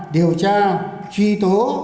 điều tra truy tố